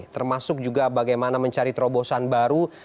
termasuk juga bagaimana mencari terobosan baru